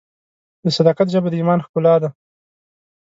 د صداقت ژبه د ایمان ښکلا ده.